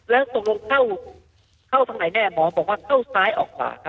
แล้วตกลงเข้าทางไหนแน่หมอบอกว่าเข้าซ้ายออกขวาครับ